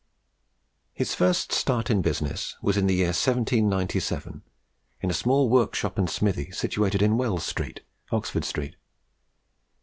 His first start in business was in the year 1797, in a small workshop and smithy situated in Wells Street, Oxford Street.